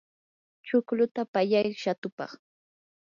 chuqluta pallay shatupaq.